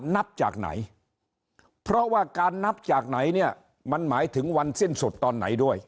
นับจากไหนเพราะว่าการนับจากไหนเนี่ยมันหมายถึงวันสิ้นสุดตอนไหนด้วย